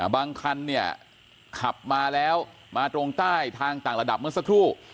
คันเนี่ยขับมาแล้วมาตรงใต้ทางต่างระดับเมื่อสักครู่